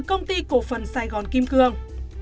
công ty cổ phần sài gòn kim cương